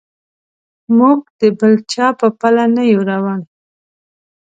موږ د بل چا په پله نه یو روان.